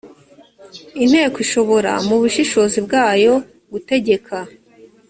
inteko ishobora mu bushishozi bwayo gutegeka